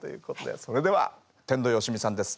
それでは天童よしみさんです。